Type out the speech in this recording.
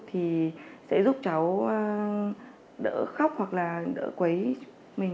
thì sẽ giúp cháu đỡ khóc hoặc là đỡ quấy mình